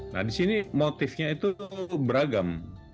nah disini motifnya itu beragam